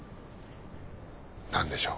何でしょう。